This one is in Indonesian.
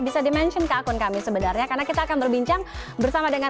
bisa di mention ke akun kami sebenarnya karena kita akan berbincang bersama dengan